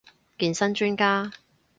健身專家